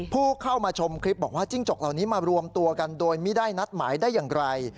ผู้เข้ามาชมคลิปบอกว่าจิ้งจกเหล่านี้มารวมตัวกันโดยไม่ได้นัดหมายได้อย่างไร